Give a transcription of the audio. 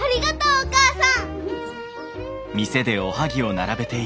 お義母さん！